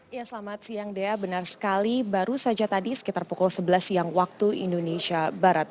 ya selamat siang dea benar sekali baru saja tadi sekitar pukul sebelas siang waktu indonesia barat